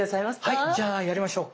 はいじゃあやりましょう。